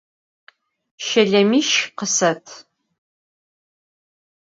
Şelemiş khıset!